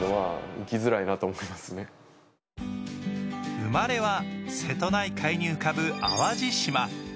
生まれは瀬戸内海に浮かぶ淡路島。